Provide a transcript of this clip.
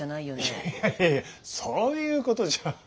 いやいやいやいやそういうことじゃ。